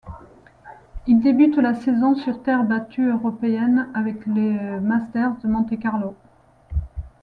Il débute la saison sur terre battue européenne avec le Masters de Monte-Carlo.